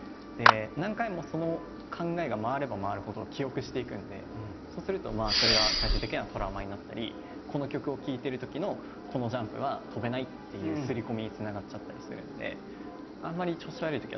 何回もその考えが回れば回るほど記憶していくんでそうするとそれが最終的にはトラウマになったりこの曲を聴いてるときのこのジャンプは跳べないっていう刷り込みにつながっちゃったりするんであんまり調子悪いときはしないです。